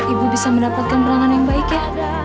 ibu bisa mendapatkan ruangan yang baik ya